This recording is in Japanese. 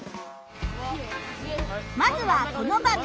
まずはこの場面。